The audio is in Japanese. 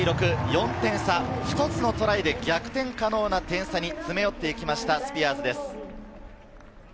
４点差、１つのトライで逆転可能な点差に詰め寄っていきましたスピアーズです。